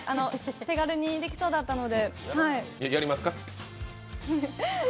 手軽にできそうだったので。。